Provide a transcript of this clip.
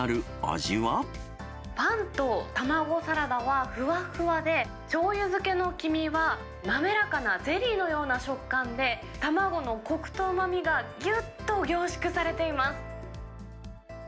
パンと卵サラダはふわふわで、しょうゆ漬けの黄身は滑らかなゼリーのような食感で、卵のこくとうまみがぎゅっと凝縮されています。